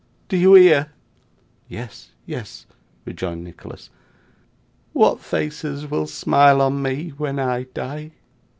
Do you hear?' 'Yes, yes,' rejoined Nicholas. 'What faces will smile on me when I die!